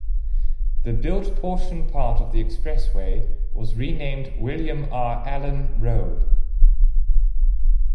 The built portion part of the expressway was renamed William R. Allen Road.